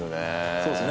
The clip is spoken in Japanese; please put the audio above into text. そうっすね。